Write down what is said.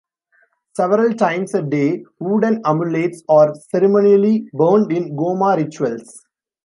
Several times a day, wooden amulets are ceremonially burned in Goma rituals.